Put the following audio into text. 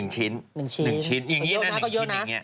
๑ชิ้นยังงี้นะ๑ชิ้นอย่างนี้